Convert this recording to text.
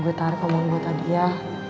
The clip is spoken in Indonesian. gue taruh kemauan gue tadi ya